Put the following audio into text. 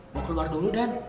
mau keluar dulu den